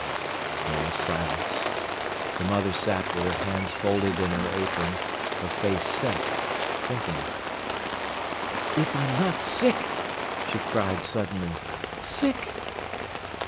There was silence. The mother sat with her hands folded in her apron, her face set, thinking. "If I'm not sick!" she cried suddenly. "Sick!"